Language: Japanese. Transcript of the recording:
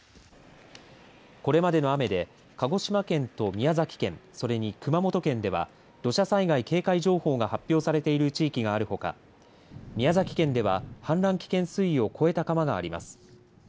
これまでの雨で鹿児島県と宮崎県それに熊本県では土砂災害警戒情報が発表されている地域があるほか宮崎県では氾濫危険水位を超えた川があります。